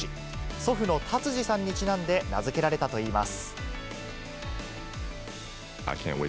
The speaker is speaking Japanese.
祖父の達治さんにちなんでちなんで名付けられたといいます。